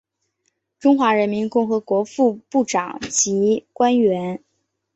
中华人民共和国副部长级官员。